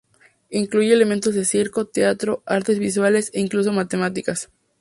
Incluye elementos de circo, teatro, artes visuales e incluso matemáticas.